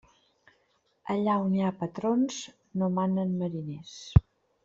Allà on hi ha patrons no manen mariners.